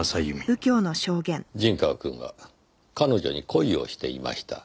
陣川くんは彼女に恋をしていました。